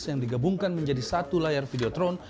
yang digabungkan menjadi satu layar video drone